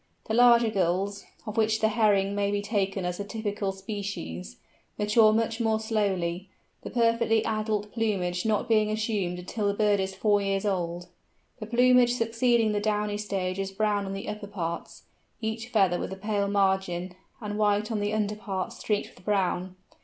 The larger Gulls—of which the Herring Gull may be taken as a typical species—mature much more slowly, the perfectly adult plumage not being assumed until the bird is four years old. The plumage succeeding the downy stage is brown on the upper parts, each feather with a pale margin, and white on the under parts streaked with brown.